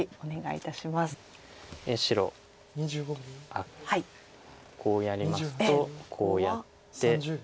あっこうやりますとこうやって。